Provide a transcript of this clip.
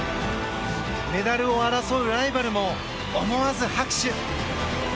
メダルを争うライバルも思わず拍手。